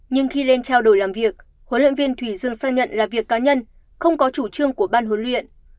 nhưng khi lên trao đổi làm việc huấn luyện viên thủy dương xác nhận là việc cá nhân không có chủ trương của ban huấn luyện